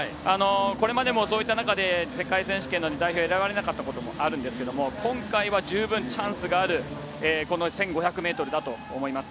これまでも、そういった中で世界選手権の代表に選ばれなかったことがありますが今回は十分チャンスがある１５００ｍだと思います。